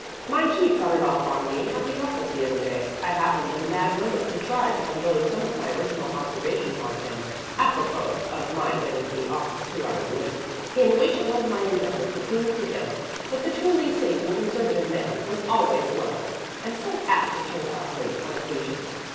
"My chief got it off on me at the office the other day. I happened in a mad moment to try to unload some of my original observations on him apropos of my getting to the office two hours late, in which it was my endeavor to prove to him that the truly safe and conservative man was always slow, and so apt to turn up late on occasions.